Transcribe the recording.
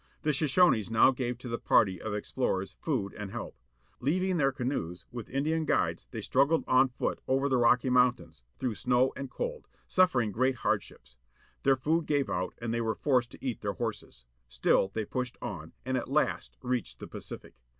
The Shoshones now gave to the party of ex plorers food and help. Leaving their canoes, with Indian guides, they struggled on foot over the Rocky Mountains, through snow and cold, suffering great hardships. Their food gave out and they were forced to eat their horses. Still they pushed on, and at last reached the Pacific.